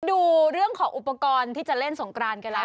ดูเรื่องของอุปกรณ์ที่จะเล่นสงกรานกันแล้ว